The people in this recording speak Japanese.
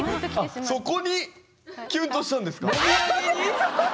そこにキュンとしたんですか⁉そう。